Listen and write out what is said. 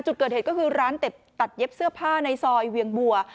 จุดเกิดเหตุก็คือร้านตัดเย็บเสื้อผ้าในซอยเวียงบัว